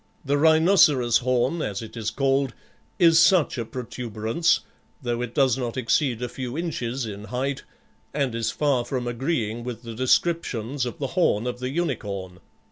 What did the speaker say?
The rhinoceros horn, as it is called, is such a protuberance, though it does not exceed a few inches in height, and is far from agreeing with the descriptions of the horn of the unicorn.